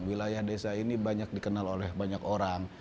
wilayah desa ini banyak dikenal oleh banyak orang